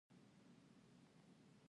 ایا له لوړ ځای ځان وساتم؟